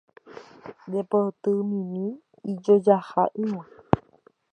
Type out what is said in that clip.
Nde potymimi ijojaha'ỹva